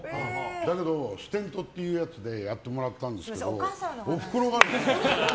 だけど、ステントっていうやつでやってもらったんですけど。